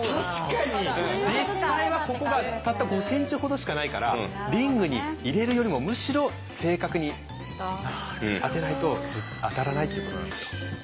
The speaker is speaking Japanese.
実際はここがたった５ｃｍほどしかないからリングに入れるよりもむしろ正確に当てないと当たらないっていうことなんですよ。